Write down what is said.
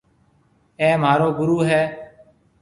اَي مهارو گُرو هيَ۔